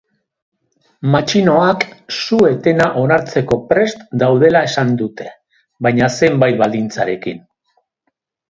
Matxinoak su-etena onartzeko prest daudela esan dute, baina zenbait baldintzarekin.